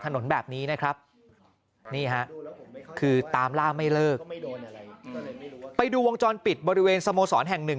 ถนนแบบนี้นะครับนี่ฮะคือตามล่าไม่เลิกไปดูวงจรปิดบริเวณสโมสรแห่งหนึ่ง